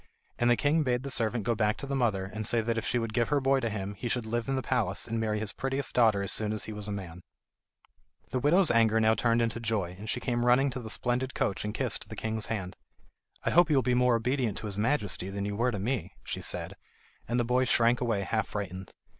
And the king bade the servant go back to the mother and say that if she would give her boy to him, he should live in the palace and marry his prettiest daughter as soon as he was a man. The widow's anger now turned into joy, and she came running to the splendid coach and kissed the king's hand. "I hope you will be more obedient to his Majesty than you were to me," she said; and the boy shrank away half frightened.